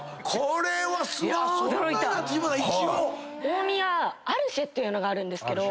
大宮アルシェっていうのがあるんですけど。